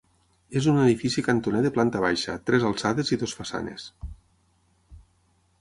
És un edifici cantoner de planta baixa, tres alçades i dues façanes.